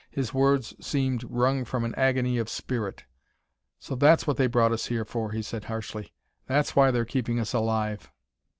His words seemed wrung from an agony of spirit. "So that's what they brought us here for," he said harshly; "that's why they're keeping us alive!"